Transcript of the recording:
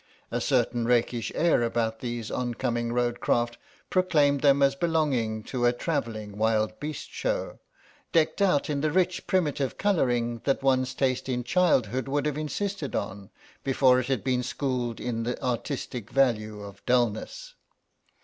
A certain rakish air about these oncoming road craft proclaimed them as belonging to a travelling wild beast show, decked out in the rich primitive colouring that one's taste in childhood would have insisted on before it had been schooled in the artistic value of dulness.